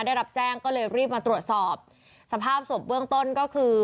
ได้รับแจ้งก็เลยรีบมาตรวจสอบสภาพศพเบื้องต้นก็คือ